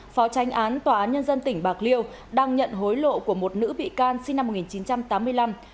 phó tranh án tòa án nhân dân tỉnh bạc liêu đang nhận hối lộ của một nữ bị can sinh năm một nghìn chín trăm tám mươi năm